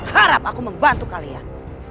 harap aku membantu kalian